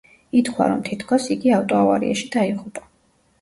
ითქვა, რომ თითქოს იგი ავტოავარიაში დაიღუპა.